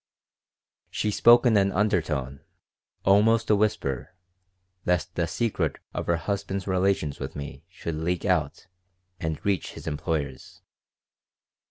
She spoke in an undertone, almost in a whisper, lest the secret of her husband's relations with me should leak out and reach his employers.